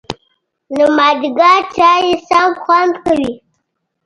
د مازیګر چای سم خوند کوي